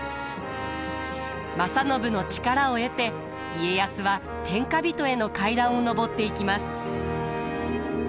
正信の力を得て家康は天下人への階段を上っていきます。